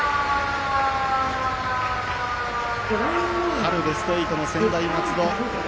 春ベスト８の専大松戸。